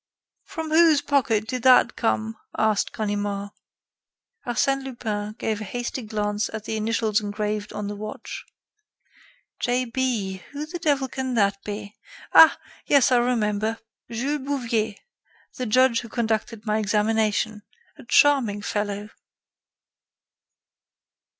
"From whose pocket did that come?" asked Ganimard. Arsène Lupin gave a hasty glance at the initials engraved on the watch. "J.B.....Who the devil can that be?....Ah! yes, I remember. Jules Bouvier, the judge who conducted my examination. A charming fellow!...."